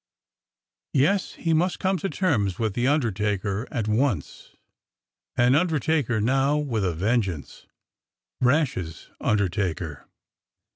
Yes, he must come to terms with the undertaker at once — an undertaker now with a vengeance — Rash's undertaker.